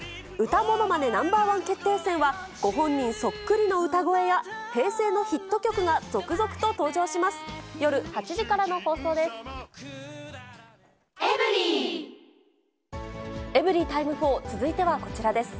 歌ものまねＮｏ．１決定戦は、ご本人そっくりの歌声や、平成のヒット曲が続々と登場します。